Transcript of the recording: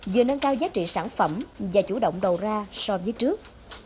vừa nâng cao giá trị sản phẩm và chủ động đầu ra so với trước